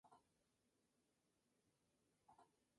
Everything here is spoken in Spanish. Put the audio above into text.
Es el primer canal exclusivo para los menores de edad de China.